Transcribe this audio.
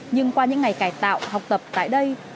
nhưng qua những ngày cải tạo học tập tại đây